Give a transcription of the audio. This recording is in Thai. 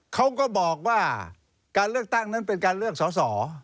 เขาก็บอกว่าการเลือกตั้งนั้นเป็นการเลือกสอสอ